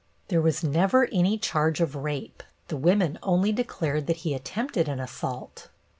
There was never any charge of rape; the women only declared that he attempted an assault.